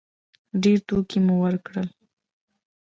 ډېرې ټوکې مو وکړلې.